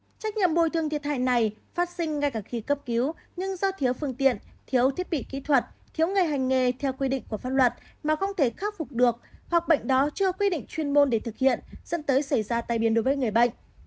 trách nhiệm bồi thường thiệt hại này phát sinh ngay cả khi cấp cứu nhưng do thiếu phương tiện thiếu thiết bị kỹ thuật thiếu ngày hành nghề theo quy định của pháp luật mà không thể khắc phục được hoặc bệnh đó chưa quy định chuyên môn để thực hiện dẫn tới xảy ra tai biến đối với người bệnh